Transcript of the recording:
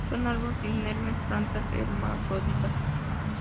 Son árboles, inermes; plantas hermafroditas.